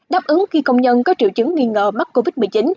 đáp ứng khi công nhân có triệu chứng nghi ngờ mắc covid một mươi chín